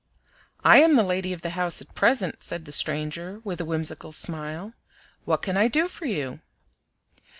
"I am the lady of the house at present," said the stranger, with a whimsical smile. "What can I do for you?"